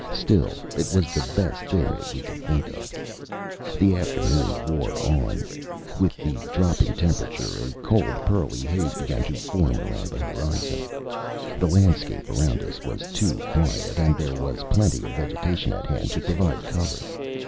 Still, it was the best thing that we could think of. The afternoon wore on. With the dropping temperature, a cold pearly haze began to form around the horizon. The landscape around us was too quiet. And there was plenty of vegetation at hand to provide cover.